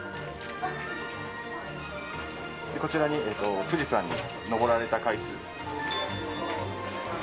こちらに富士山に登られた回数。